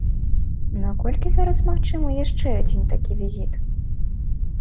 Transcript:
Наколькі зараз магчымы яшчэ адзін такі візіт?